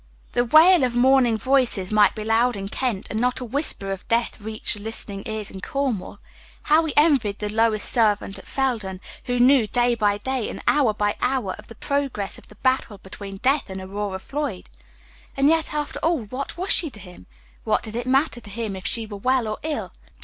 The wail of mourning voices might be loud in Kent, and not a whisper of death reach the listening ears in Cornwall. How he envied the lowest servant at Felden, who knew day by day and hour by hour of the progress of the battle between Death and Aurora Floyd! And yet, after all, what was she to him? What did it matter to him if she were well or ill?